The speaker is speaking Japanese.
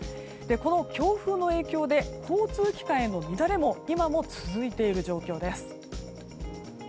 この強風の影響で交通機関の乱れが今も続いている状況です。